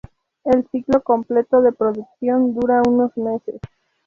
El ciclo completo de producción dura unos meses.